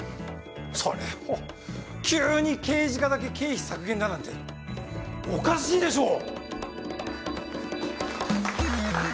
それを急に刑事課だけ経費削減だなんておかしいでしょう！